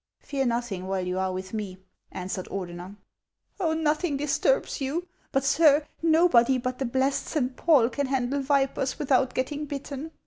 " Fear nothing while you are with me," answered Ordener. " Oil, nothing disturbs you ; but, sir, nobody but the blessed Saint Paul can handle vipers without getting bitten.